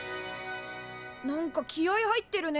何か気合い入ってるね。